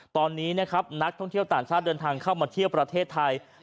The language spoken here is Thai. ตอนนี้นะครับนักท่องเที่ยวต่างชาติเดินทางเข้ามาเที่ยวประเทศไทย